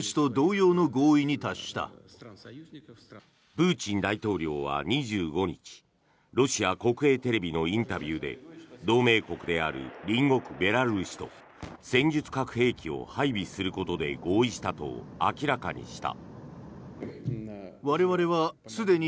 プーチン大統領は２５日ロシア国営テレビのインタビューで同盟国である隣国ベラルーシと戦術核兵器を配備することで合意したと明らかにした。